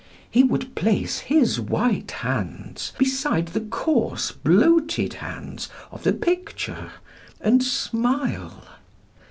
He would place his white hands beside the coarse bloated hands of the picture, and smile.